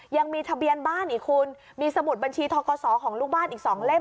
ยังมีทะเบียนบ้านอีกคุณมีสมุดบัญชีทกศของลูกบ้านอีก๒เล่ม